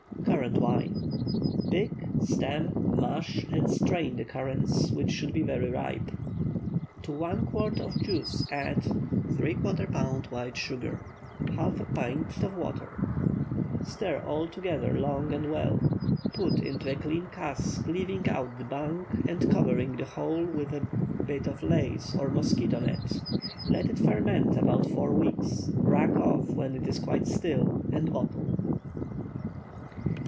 CURRANT WINE. Pick, stem, mash, and strain the currants, which should be very ripe. To 1 quart of juice add ¾ lb. white sugar. ½ pint of water. Stir all together long and well; put into a clean cask, leaving out the bung, and covering the whole with a bit of lace or mosquito net. Let it ferment about four weeks—rack off when it is quite still, and bottle.